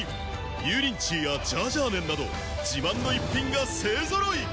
油淋鶏やジャージャー麺など自慢の逸品が勢揃い！